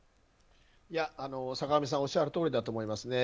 坂上さんがおっしゃるとおりだと思います。